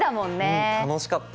うん楽しかった。